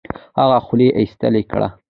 هغه خولۍ ایسته کړه.